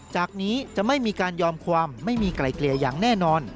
จากนี้จะไม่มีการยอมความไม่มีไกลเกลี่ยอย่างแน่นอน